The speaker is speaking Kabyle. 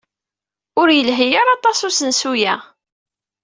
Ur yelhi ara aṭas usensu-a.